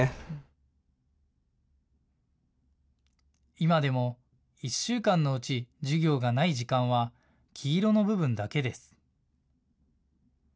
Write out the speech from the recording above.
今でも１週間のうち授業がない時間は黄色の部分だけです。